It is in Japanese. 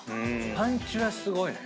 パンチはすごいね。